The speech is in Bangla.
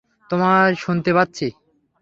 তোমায় শুনতে পাচ্ছি।